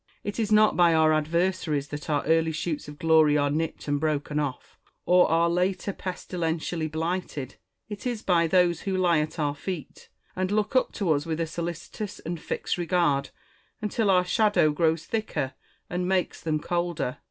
It is not by our adversaries that our early shoots of glory are nipped and broken off, or our later pestilentially blighted ; it is by those who lie at our feet, and look up to us with a solicitous and fixed regard until our shadow grows thicker and makes them colder.